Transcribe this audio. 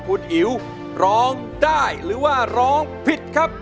คุณอิ๋วร้องได้หรือว่าร้องผิดครับ